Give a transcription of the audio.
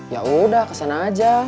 yaudah ke sana aja